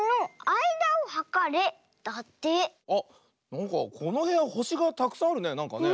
あっなんかこのへやほしがたくさんあるねなんかね。